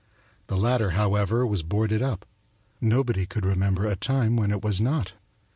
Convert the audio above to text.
The latter, however, was boarded up nobody could remember a time when it was not.